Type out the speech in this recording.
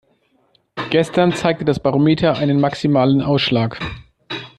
Gestern zeigte das Barometer einen maximalen Ausschlag.